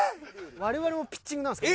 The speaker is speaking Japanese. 我々もピッチングなんですか？